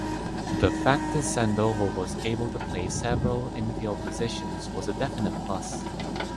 The fact that Sandoval was able play several infield positions was a definite plus.